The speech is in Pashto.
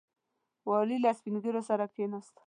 والي له سپین ږیرو سره کښېناست.